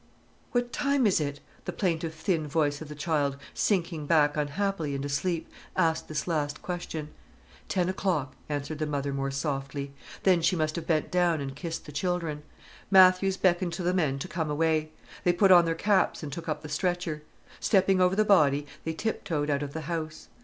"What time is it?"—the plaintive thin voice of the child, sinking back unhappily into sleep, asked this last question. "Ten o'clock," answered the mother more softly. Then she must have bent down and kissed the children. Matthews beckoned to the men to come away. They put on their caps and took up the stretcher. Stepping over the body, they tiptoed out of the house.